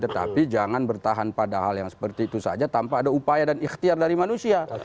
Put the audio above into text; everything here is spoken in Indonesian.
tetapi jangan bertahan pada hal yang seperti itu saja tanpa ada upaya dan ikhtiar dari manusia